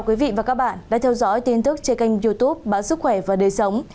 các bạn đã theo dõi tin tức trên kênh youtube bản sức khỏe và đời sống